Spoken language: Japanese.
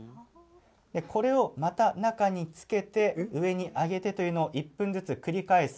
これをまた中につけて上に上げてというのを１分ずつ繰り返す